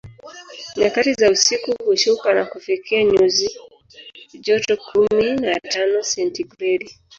Nyakati za usiku hushuka na kufikia nyuzi joto kumi na tano sentigredi